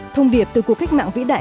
thông điệp từ cuộc khách mạng vĩ đại